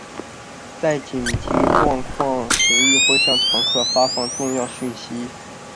在紧急状况时亦会向乘客发放重要讯息。